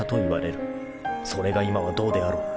［それが今はどうであろう］